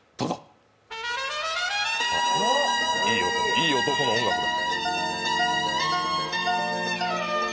いい男の音楽だ。